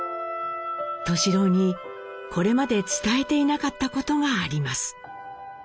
敏郎にこれまで伝えていなかったことがあります。